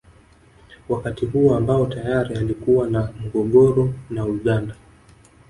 Wakati huo ambao tayari alikuwa na mgogoro na Uganda